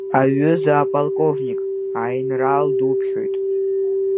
Аҩыза аполковник, аинрал дуԥхьоит.